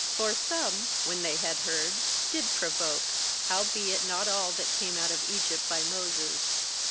58:003:016 For some, when they had heard, did provoke: howbeit not all that came out of Egypt by Moses.